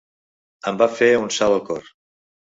Em va fer un salt el cor.